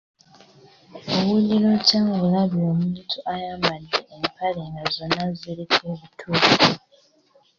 Owulira otya ng'olabye omuntu ayambadde empale nga zonna ziriko ebituli?